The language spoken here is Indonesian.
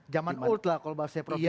zaman old lah kalau bahasa profikan itu ya